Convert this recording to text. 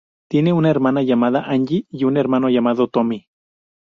Tiene una hermana llamada Angie y un hermano llamado Tommy.